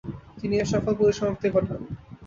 তিনি এর সফল পরিসমাপ্তি ঘটান।